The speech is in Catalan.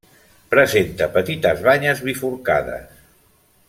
Presenta petites banyes bifurcades.